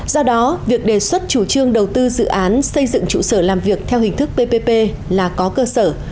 do đó việc đề xuất chủ trương đầu tư dự án xây dựng trụ sở làm việc theo hình thức ppp là có cơ sở